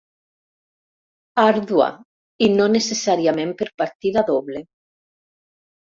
Àrdua, i no necessàriament per partida doble.